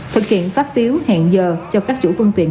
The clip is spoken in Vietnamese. thực hiện phát phiếu hẹn giờ cho các chủ phương tiện